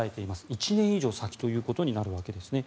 １年以上先ということになるわけですね。